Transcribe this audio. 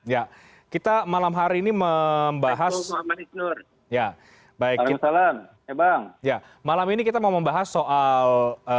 ya kita malam hari ini membahas ya baik baik salam ya bang ya malam ini kita mau membahas soal